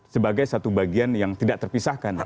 sebagai satu bagian yang tidak terpisahkan